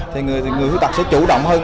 thì người khuyết tật sẽ chủ động hơn